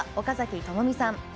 岡崎朋美さん。